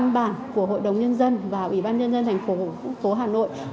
văn bản của hội đồng nhân dân và ủy ban nhân dân thành phố hà nội